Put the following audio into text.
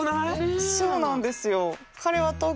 そうなんですよ。